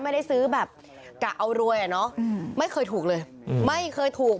ไม่ได้ซื้อแบบกะเอารวยอ่ะเนอะไม่เคยถูกเลยไม่เคยถูก